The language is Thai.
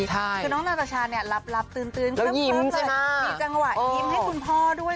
คือน้องนาตาชาเนี่ยหลับตื่นมีจังหวะยิ้มให้คุณพ่อด้วย